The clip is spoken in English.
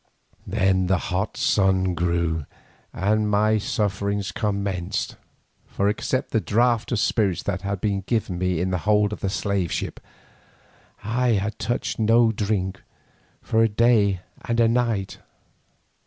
Then the sun grew hot, and my sufferings commenced, for except the draught of spirits that had been given me in the hold of the slave ship, I had touched no drink for a day and a night.